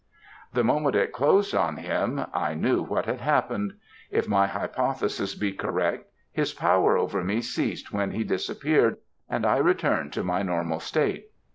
"The moment it closed on him, I knew what had happened; if my hypothesis be correct, his power over me ceased when he disappeared and I returned to my normal state.